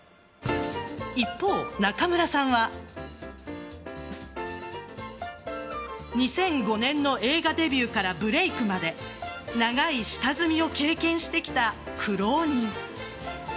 一方、中村さんは２００５年の映画デビューからブレイクまで長い下積みを経験してきた苦労人。